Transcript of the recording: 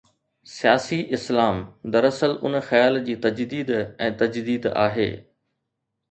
’سياسي اسلام‘ دراصل ان خيال جي تجديد ۽ تجديد آهي.